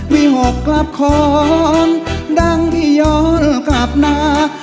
หกกลับของดังที่ย้อนกลับมา